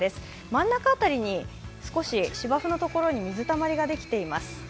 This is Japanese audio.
真ん中辺りに少し芝生のところに水たまりができています。